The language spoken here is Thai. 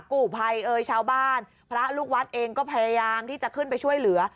กู้ภัยเอ่ยชาวบ้านพระลูกวัดเองก็พยายามที่จะขึ้นไปช่วยเหลือ